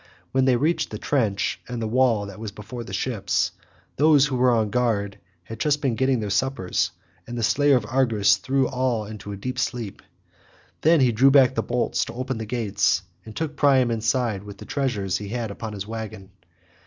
When they reached the trench and the wall that was before the ships, those who were on guard had just been getting their suppers, and the slayer of Argus threw them all into a deep sleep. Then he drew back the bolts to open the gates, and took Priam inside with the treasure he had upon his waggon.